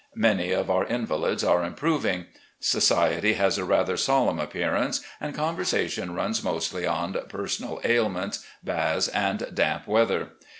Many of our invalids are improving. Society has a rather solemn appearance, and conversa tion runs mostly on personal ailments, baths, and damp weather.